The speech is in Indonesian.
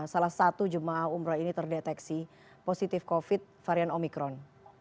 salah satu jemaah umroh ini terdeteksi positif covid varian omikron